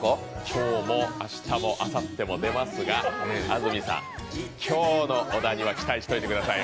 今日も明日もあさっても出ますが、安住さん、今日の小田には期待しといてください。